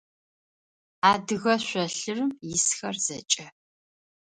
Адыгэ шъолъырым исхэр зэкӏэ.